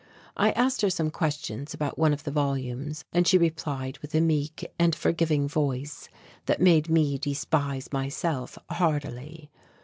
I asked her some questions about one of the volumes and she replied with a meek and forgiving voice that made me despise myself heartily.